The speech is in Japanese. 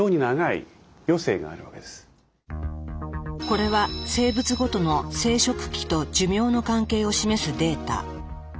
これは生物ごとの生殖期と寿命の関係を示すデータ。